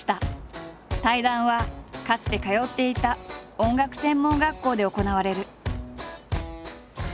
対談はかつて通っていた音楽専門学校で行われる。